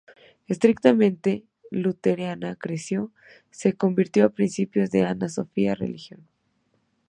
Estrictamente luterana creció, se convirtió a principios de Anna Sophia religión.